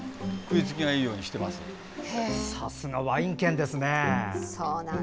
さすがワイン県ですね。